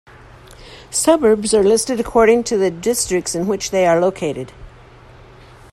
Suburbs are listed according to the "districts" in which they are located.